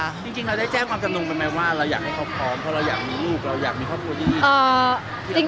จริงเราได้แจ้งความจำนงไปไหมว่าเราอยากให้เขาพร้อมเพราะเราอยากมีลูกเราอยากมีครอบครัวที่ดี